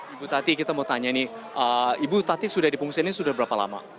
ibu tati kita mau tanya nih ibu tati sudah di pengungsi ini sudah berapa lama